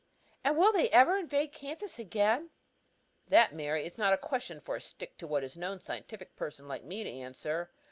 "And will they ever evade Kansas again?" "That, Mary, is not a question for a stick to what is known scientific person like me to answer.